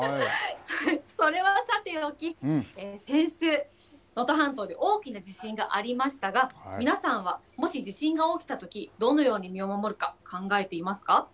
それはさておき、先週、能登半島で大きな地震がありましたが、皆さんはもし地震が起きたとき、どのように身を守るか、考えていますか？